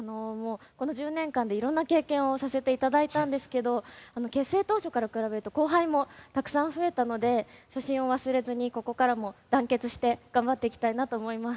１０年間でいろんな経験をさせていただいたんですけど結成当初から比べると後輩もたくさん増えたので初心を忘れずにここからも団結して頑張っていきたいと思います。